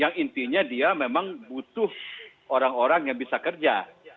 yang intinya dia memang butuh orang orang yang bisa kerja